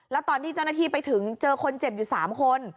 แล้วตอนที่เจ้าหน้าที่ไปถึงเจอคนเจ็บอยู่๓คน